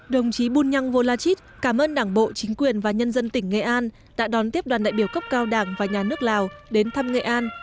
đồng chí bunyang volachit cảm ơn đảng bộ chính quyền và nhân dân tỉnh nghệ an đã đón tiếp đoàn đại biểu cấp cao đảng và nhà nước lào đến thăm nghệ an